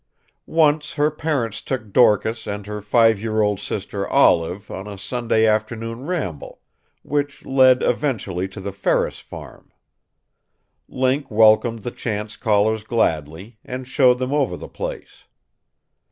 Once her parents took Dorcas and her five year old sister, Olive, on a Sunday afternoon ramble, which led eventually to the Ferris farm. Link welcomed the chance callers gladly, and showed them over the place.